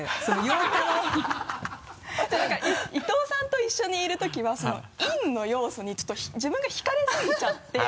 違う何か伊藤さんと一緒にいるときは陰の要素にちょっと自分が引かれすぎちゃって。